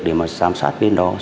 để mà giám sát bên đó